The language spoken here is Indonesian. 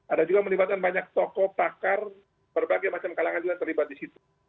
ada juga banyak toko pakar berbagai macam kalangan juga yang terlibat disitu